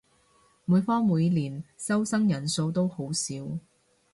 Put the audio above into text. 每科每年收生人數都好少